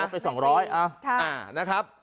ลดไปสองร้อย